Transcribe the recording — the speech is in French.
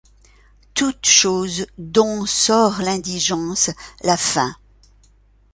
Toute chose dont sort l'indigence, la faim